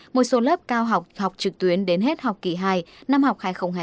một số lớp cao học học trực tuyến đến hết học kỳ hai năm học hai nghìn hai mươi hai nghìn hai mươi một